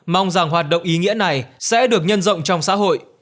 mong rằng hoạt động ý nghĩa này sẽ được nhân rộng trong xã hội